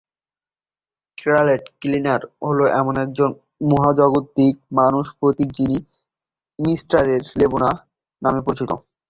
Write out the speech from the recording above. Scarlet Skier হল একজন মহাজাগতিক মানুষের প্রতীক, যিনি মিস্টার নেবুলা নামে পরিচিত।